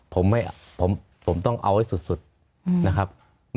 ผมต้องเอาให้สุดนะครับ